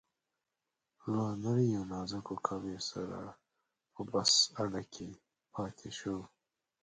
له نریو نازکو کالیو سره په بس اډه کې پاتې شو.